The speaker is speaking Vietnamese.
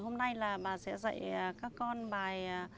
hôm nay là bà sẽ dạy các con bài trên rừng ba sáu thư chim